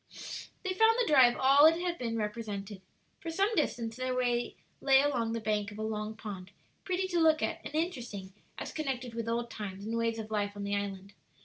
They found the drive all it had been represented. For some distance their way lay along the bank of a long pond, pretty to look at and interesting as connected with old times and ways of life on the island.